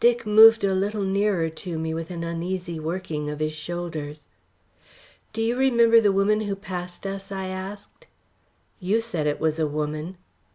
Dick moved a little nearer to me with an uneasy working of his shoulders. "Do you remember the woman who passed us?" I asked. "You said it was a woman."